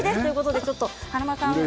華丸さん